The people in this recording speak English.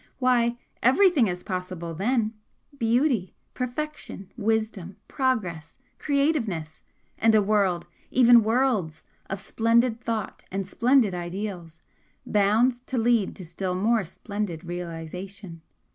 Why, everything is possible then! Beauty, perfection, wisdom, progress, creativeness, and a world even worlds of splendid thought and splendid ideals, bound to lead to still more splendid realisation!